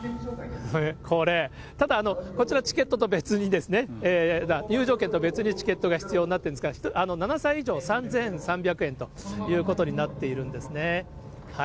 これ、ただこちら、チケットと別にですね、入場券と別にチケットが必要になってるんですが、７歳以上３３００円ということになってるんですね。